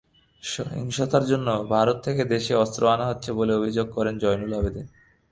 সহিংসতার জন্য ভারত থেকে দেশে অস্ত্র আনা হচ্ছে বলে অভিযোগ করেন জয়নুল আবদিন।